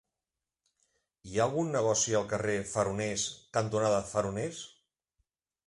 Hi ha algun negoci al carrer Faroners cantonada Faroners?